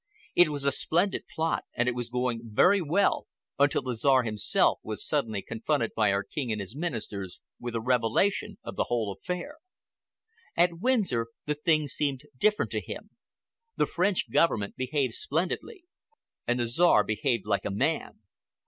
It was a splendid plot, and it was going very well until the Czar himself was suddenly confronted by our King and his Ministers with a revelation of the whole affair. At Windsor the thing seemed different to him. The French Government behaved splendidly, and the Czar behaved like a man.